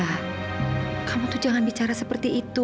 abah pastikan kekas twice er